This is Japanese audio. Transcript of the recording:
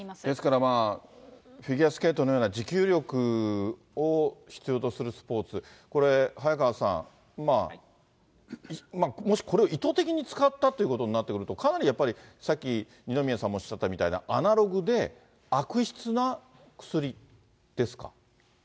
ですから、フィギュアスケートのような持久力を必要とするスポーツ、これ早川さん、もしこれを意図的に使ったということになると、かなりやっぱり、さっき二宮さんもおっしゃったみたいな、アナログで悪質な薬ですか？